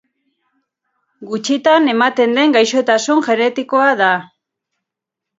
Gutxitan ematen den gaixotasun genetikoa da.